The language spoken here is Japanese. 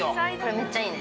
◆めっちゃいいね。